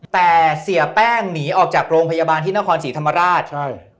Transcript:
แต่เสียแป้งหนีออกจากโรงพยาบาลที่นครศรีธรรมราชใช่